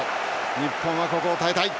日本はここを耐えたい。